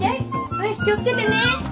はい気を付けてね。